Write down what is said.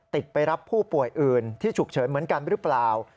ไปรับผู้ป่วยอื่นที่ฉุกเฉินเหมือนกันหรือเปล่า